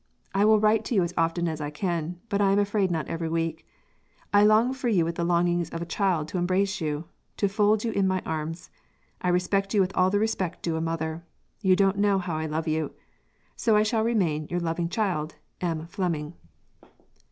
I will write to you as often as I can; but I am afraid not every week. _I long for you with the longings of a child to embrace you to fold you in my arms. I respect you with all the respect due to a mother. You don't know how I love you. So I shall remain, your loving child_, M. FLEMING."